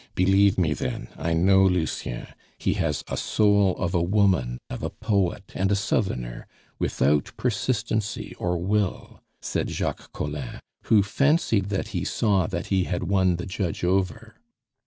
"Believe me, then, I know Lucien; he has a soul of a woman, of a poet, and a southerner, without persistency or will," said Jacques Collin, who fancied that he saw that he had won the judge over.